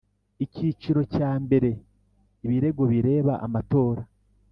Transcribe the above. Icyiciro cya mbere Ibirego bireba amatora